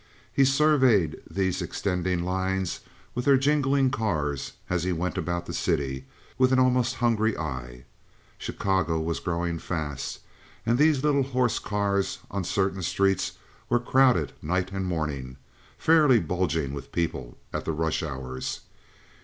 He surveyed these extending lines, with their jingling cars, as he went about the city, with an almost hungry eye. Chicago was growing fast, and these little horse cars on certain streets were crowded night and morning—fairly bulging with people at the rush hours.